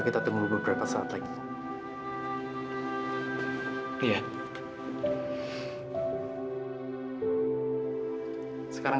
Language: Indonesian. ya ada siapa schon